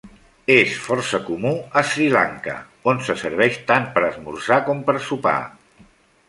És força comú a Sri Lanka, on se serveix tant per esmorzar com per sopar.